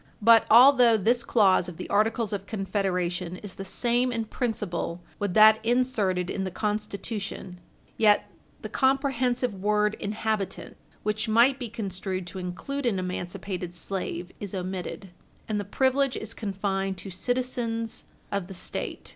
But although this clause of the Articles of Confederation is the same in principle with that inserted in the Constitution, yet the comprehensive word inhabitant, which might be construed to include an emancipated slave, is omitted, and the privilege is confined to citizens of the State.